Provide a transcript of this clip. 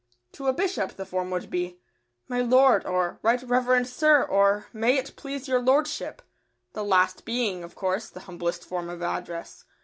] To a bishop the form would be, "My Lord," or "Right Reverend Sir," or "May it please Your Lordship," the last being, of course, the humblest form of address.